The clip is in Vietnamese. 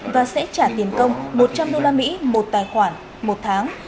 và sẽ trả tiền công một trăm linh usd một tài khoản một tháng